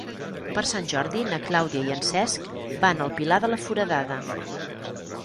Per Sant Jordi na Clàudia i en Cesc van al Pilar de la Foradada.